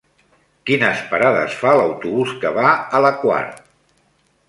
Quines parades fa l'autobús que va a la Quar?